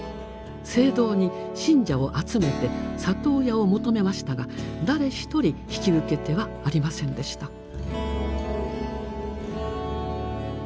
聖堂に信者を集めて里親を求めましたが誰ひとり引き受け手はありませんでした。